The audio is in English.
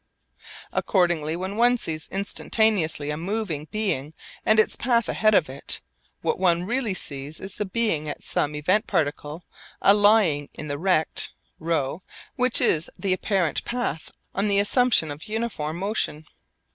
Accordingly when one sees instantaneously a moving being and its path ahead of it, what one really sees is the being at some event particle A lying in the rect ρ which is the apparent path on the assumption of uniform motion.